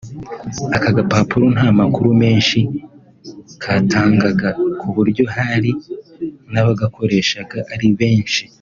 “Aka gapapuro nta makuru menshi katangaga ku buryo hari n’abagakoreshaga ari benshi